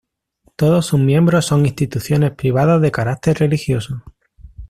Todos sus miembros son instituciones privadas de carácter religioso.